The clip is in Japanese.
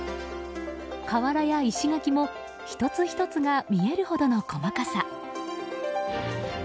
瓦や石垣も１つ１つが見えるほどの細かさ。